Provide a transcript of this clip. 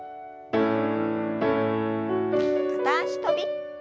片脚跳び。